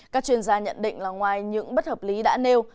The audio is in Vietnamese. các chuyên gia nhận định là ngoài những bất hợp lý đã nêu